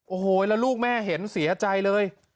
โอ้โหแล้วลูกแม่เห็นเสียใจเลย